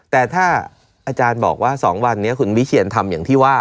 แต่ถ้าอาจารย์บอกว่า๒วันนี้คุณวิเชียนทำอย่างที่ว่า